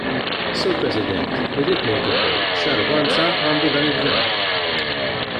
Sur President, irrid ngħid ukoll x'arroganza għandu dan il-Gvern.